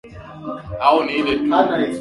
ambao wanatukia katika makabila mawili makubwa